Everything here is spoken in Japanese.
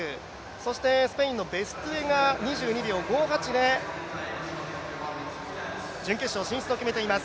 そして、スペインのベストゥエが２２秒５８で準決勝進出を決めています。